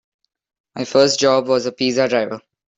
My first job was as a pizza driver.